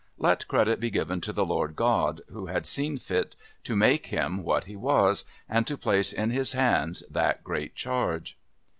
Let credit be given to the Lord God who had seen fit to make him what he was and to place in his hands that great charge.